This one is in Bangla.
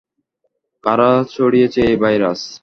কারা ছড়িয়েছে এই ভাইরাস?